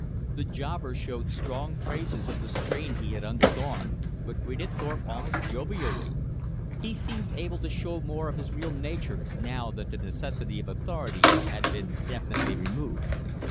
The jobber showed strong traces of the strain he had undergone, but greeted Thorpe almost jovially. He seemed able to show more of his real nature now that the necessity of authority had been definitely removed.